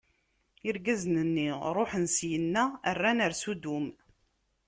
Irgazen-nni ṛuḥen syenna, rran ɣer Sudum.